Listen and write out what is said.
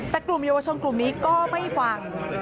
แต่กลุ่มเยาวชนกลุ่มนี้ก็ไม่ฟัง